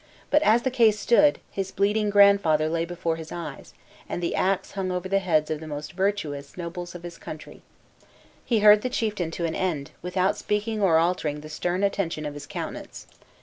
But as the case stood, his bleeding grandfather lay before his eyes; and the ax hung over the heads of the most virtuous nobles of his country. He heard the chieftain to an end, without speaking or altering the stern attention of his countenance.